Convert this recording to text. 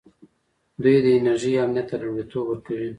دوی د انرژۍ امنیت ته لومړیتوب ورکوي.